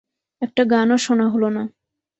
একটা গানও শোনা হল না।